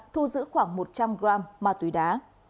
thu giữ khoảng một trăm linh gram má túy đá